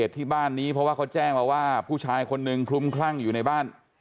ที่บ้านนี้เพราะว่าเขาแจ้งมาว่าผู้ชายคนหนึ่งคลุมคลั่งอยู่ในบ้าน